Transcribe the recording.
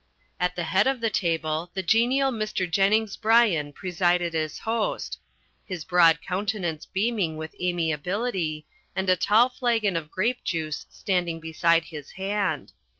At the head of the table the genial Mr. Jennings Bryan presided as host, his broad countenance beaming with amiability, and a tall flagon of grape juice standing beside his hand.